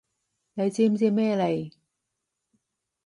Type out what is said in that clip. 你知唔知咩嚟？